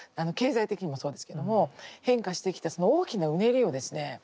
経済的にもそうですけども変化してきたその大きなうねりをですね